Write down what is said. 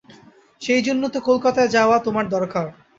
সেইজন্যেই তো কলকাতায় যাওয়া তোমার দরকার।